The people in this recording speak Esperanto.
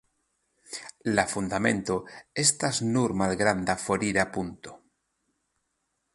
La fundamento estas nur malgranda forira punkto.